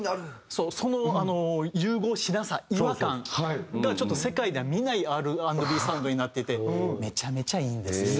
その融合しなさ違和感がちょっと世界では見ないＲ＆Ｂサウンドになっていてめちゃめちゃいいんですよ。